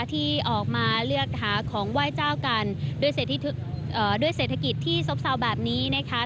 ที่ออกมาเลือกหาของไหว้เจ้ากันด้วยเศรษฐกิจที่ซบเซาแบบนี้นะคะ